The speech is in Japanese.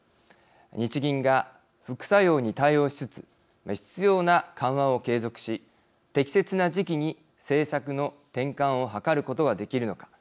日銀が副作用に対応しつつ必要な緩和を継続し適切な時期に政策の転換を図ることができるのか。